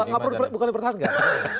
pak kaprun bukan dipertahankan